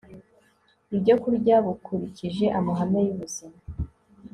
ibyokurya bukurikije amahame yubuzima